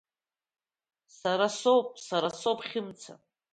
Сара соуп, сара, соуп, Хьымца!